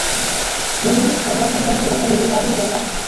জমিজমা সংক্রান্ত ব্যাপারে ও দারুণ জ্ঞান রাখে!